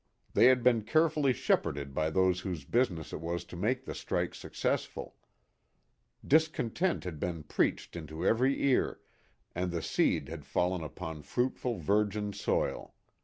They had been carefully shepherded by those whose business it was to make the strike successful. Discontent had been preached into every ear, and the seed had fallen upon fruitful, virgin soil.